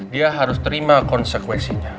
dia harus terima konsekuensinya